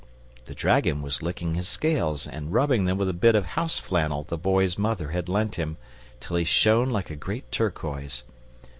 The dragon was licking his scales and rubbing them with a bit of house flannel the Boy's mother had lent him, till he shone like a great turquoise.